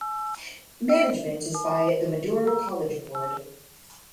Management is by The Madura College Board.